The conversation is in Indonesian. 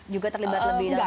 juga terlibat lebih dalam